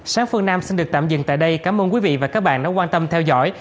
sáng phương nam xin được tạm dừng tại đây cảm ơn quý vị và các bạn đã quan tâm theo dõi